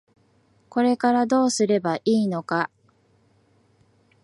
これからどうすればいいのか。